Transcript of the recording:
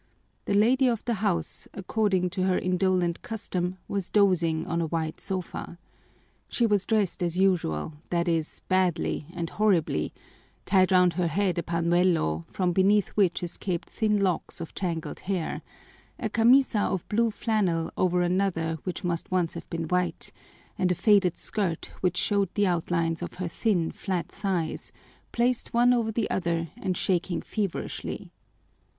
The lady of the house, according to her indolent custom, was dozing on a wide sofa. She was dressed as usual, that is, badly and horribly: tied round her head a pañuelo, from beneath which escaped thin locks of tangled hair, a camisa of blue flannel over another which must once have been white, and a faded skirt which showed the outlines of her thin, flat thighs, placed one over the other and shaking feverishly.